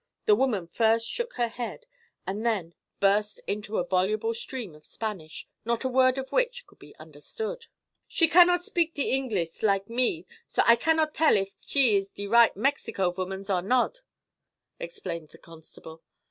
The woman first shook her head and then burst into a voluble stream of Spanish, not a word of which could be understood. "She cannot speak de Ingliss, like me, so I cannod tell if she iss de right Mexico vomans or nod," explained the constable.